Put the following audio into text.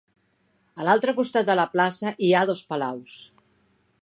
A l'altre costat de la plaça hi ha dos palaus.